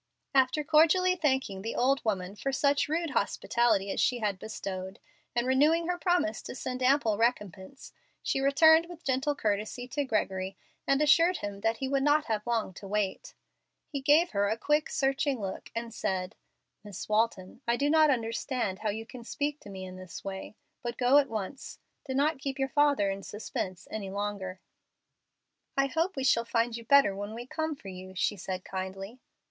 After cordially thanking the old woman for such rude hospitality as she had bestowed, and renewing her promise to send ample recompense, she turned with gentle courtesy to Gregory and assured him that he would not have long to wait. He gave her a quick, searching look, and said, "Miss Walton, I do not understand how you can speak to me in this way. But go at once. Do not keep your father in suspense any longer." "I hope we shall find you better when we come for you," she said, kindly.